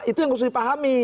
itu yang harus dipahami